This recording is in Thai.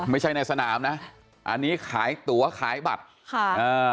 ในสนามนะอันนี้ขายตัวขายบัตรค่ะอ่า